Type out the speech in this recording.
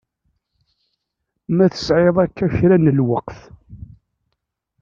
Ma tesɛiḍ akka kra n lweqt.